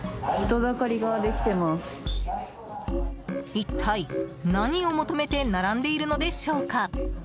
一体、何を求めて並んでいるのでしょうか。